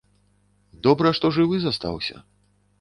Добра, што жывы застаўся.